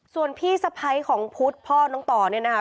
ส่วนพี่สะพ้ายของพุทธพ่อน้องต่อเนี่ยนะคะ